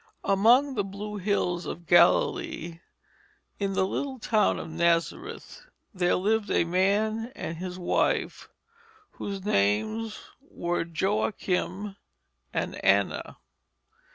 Among the blue hills of Galilee, in the little town of Nazareth, there lived a man and his wife whose names were Joachim and Anna.